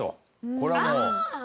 これはもうね。